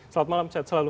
selamat malam sehat selalu